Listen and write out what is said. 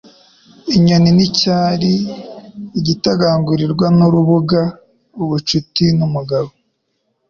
Inyoni n' icyari, igitagangurirwa n'urubuga, ubucuti n'umugabo.